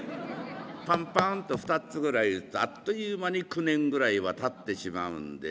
パンパンっと２つぐらいであっと言う間に９年ぐらいはたってしまうんで。